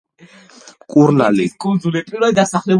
მკურნალმანცა ვერა ჰკურნოს თავისისა სისხლის მხვრეტსა.